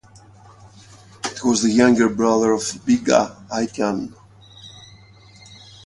He was the younger brother of Bigga Haitian.